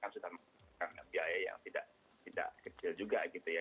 sudah menggunakan biaya yang tidak kecil juga gitu ya